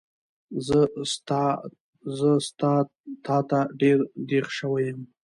زه ستا تاته ډېر دیغ شوی یم